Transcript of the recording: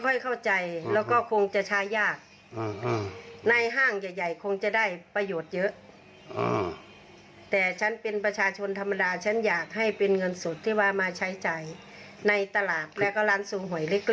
เข้าใจแล้วก็คงจะใช้ยากในห้างใหญ่คงจะได้ประโยชน์เยอะแต่ฉันเป็นประชาชนธรรมดาฉันอยากให้เป็นเงินสดที่ว่ามาใช้จ่ายในตลาดแล้วก็ร้านซุมหวยเล็ก